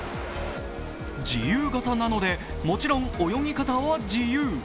自由形なので、もちろん泳ぎ方は自由。